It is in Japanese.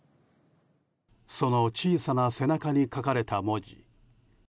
その小さな背中に書かれた文字。